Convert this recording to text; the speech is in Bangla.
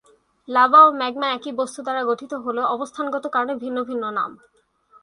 লাভা ও ম্যাগমা একই বস্তু দ্বারা গঠিত হলেও অবস্থানগত কারণে ভিন্ন ভিন্ন নাম।